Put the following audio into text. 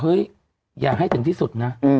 อย่าให้ถึงที่สุดนะ